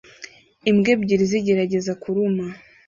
Imbwa ebyiri zigerageza kuruma